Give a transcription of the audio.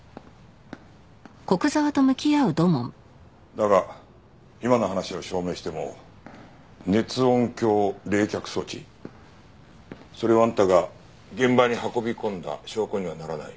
だが今の話を証明しても熱音響冷却装置それをあんたが現場に運び込んだ証拠にはならない。